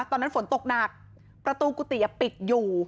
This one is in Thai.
ตอนนั้นฝนตกหนักประตูกุฏิปิดอยู่